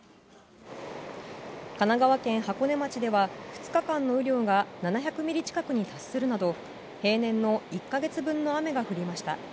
神奈川県箱根町では２日間の雨量が７００ミリ近くに達するなど平年の１か月分の雨が降りました。